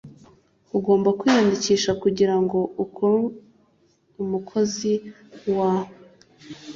ugomba kwiyandikisha kugirango ukore umukozi wa